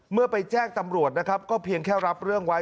ไปแจ้งตำรวจนะครับก็เพียงแค่รับเรื่องไว้